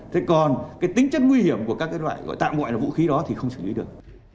thế còn cái tính chất nguy hiểm của các cái loại gọi tạm ngoại là vũ khí đó thì không xử lý được